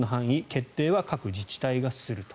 決定は各自治体がすると。